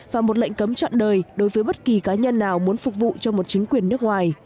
và một lệnh cấm chọn đời đối với bất kỳ cá nhân nào muốn phục vụ cho một chính quyền nước ngoài